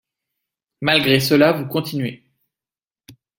Malgré cela, vous continuez.